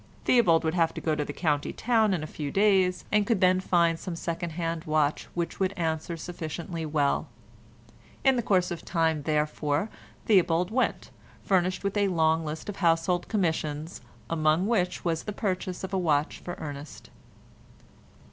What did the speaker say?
Theobald would have to go to the county town in a few days, and could then find some second hand watch which would answer sufficiently well. In the course of time, therefore, Theobald went, furnished with a long list of household commissions, among which was the purchase of a watch for Ernest.